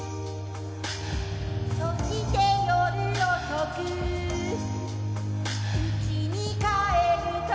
「そして夜遅くうちに帰ると」